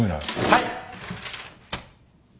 はい。